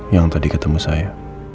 yang tadi ketemu saya